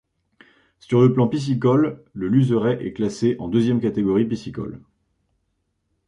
Sur le plan piscicole, le Luzeray est classé en deuxième catégorie piscicole.